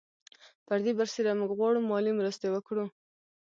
پر دې برسېره موږ غواړو مالي مرستې وکړو.